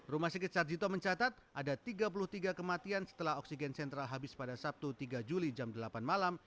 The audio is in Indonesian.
rumah sakit sarjito mencatat ada tiga puluh tiga kematian setelah oksigen sentral habis pada sabtu tiga juli jam delapan malam